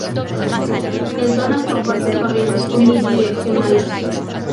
En zonas con fuertes corrientes unidireccionales.